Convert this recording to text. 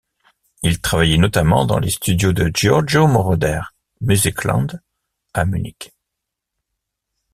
Il travaillait notamment dans les studios de Giorgio Moroder Musicland à Munich.